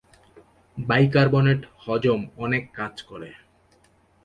Bicarbonate হজম অনেক কাজ করে।